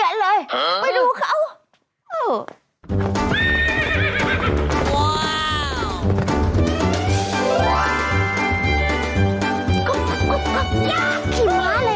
ย่ายดาวขอเอาอียาย